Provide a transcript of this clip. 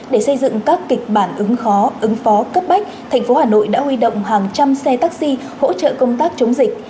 để xây dựng các kịch bản ứng khó ứng phó cấp bách thành phố hà nội đã huy động hàng trăm xe taxi hỗ trợ công tác chống dịch